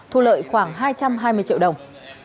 thu lợi khoảng hai trăm hai mươi triệu đồng